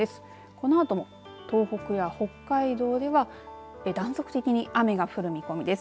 このあとも東北や北海道では断続的に雨が降る見込みです。